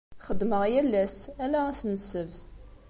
Xeddmeɣ yal ass, ala ass n Ssebt.